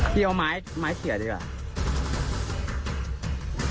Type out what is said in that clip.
พี่เอาไม้เสียดีกว่า